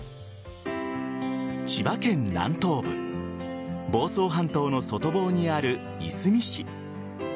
千葉県南東部房総半島の外房にあるいすみ市。